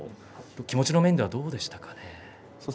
気持ちの面ではどうでしたかね？